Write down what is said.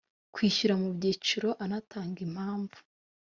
kwishyura mu byiciro anatanga impamvu